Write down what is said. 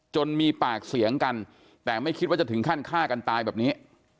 มีปากเสียงกันแต่ไม่คิดว่าจะถึงขั้นฆ่ากันตายแบบนี้